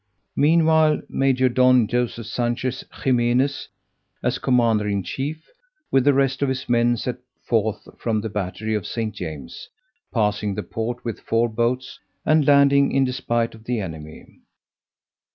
Meanwhile Major Don Joseph Sanchez Ximenes, as commander in chief, with the rest of his men, set forth from the battery of St. James, passing the port with four boats, and landing, in despite of the enemy.